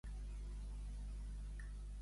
Què va fer-li Amficcíon?